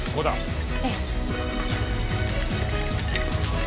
ええ。